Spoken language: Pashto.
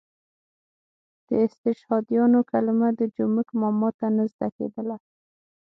د استشهادیانو کلمه د جومک ماما ته نه زده کېدله.